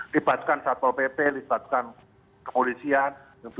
libatkan satpol pp libatkan kepolisian